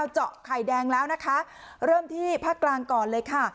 เจาะไข่แดงแล้วนะคะเริ่มที่ภาคกลางก่อนเลยค่ะ